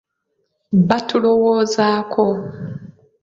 Batulowoozaako